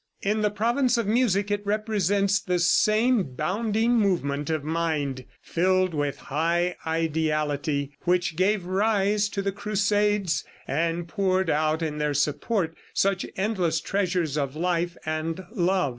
In the province of music it represents the same bounding movement of mind, filled with high ideality, which gave rise to the crusades, and poured out in their support such endless treasures of life and love.